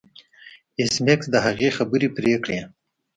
ایس میکس د هغې خبرې پرې کړې